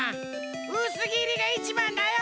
うすぎりがいちばんだよ。